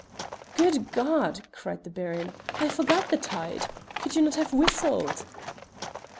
"Good God!" cried the Baron. "I forgot the tide. Could you not have whistled?"